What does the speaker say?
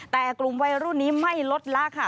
แต่กลุ่มวัยรุ่นนี้ไม่ลดละค่ะ